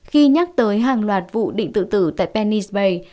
khi nhắc tới hàng loạt vụ định tự tử tại penny s bay